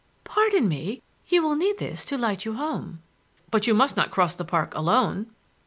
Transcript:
"Pardon me! You will need this to light you home." "But you must not cross the park alone!"